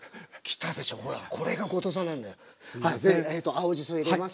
青じそ入れます。